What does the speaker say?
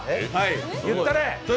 言ったれ！